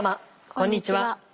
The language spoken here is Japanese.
こんにちは。